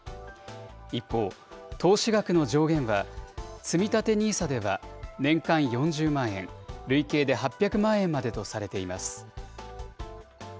一方、投資額の上限は、つみたてＮＩＳＡでは年間４０万円、累計で８００万円までとされています。